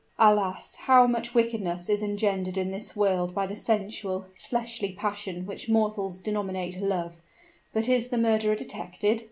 "Alas! how much wickedness is engendered in this world by the sensual, fleshly passion which mortals denominate love! But is the murderer detected?"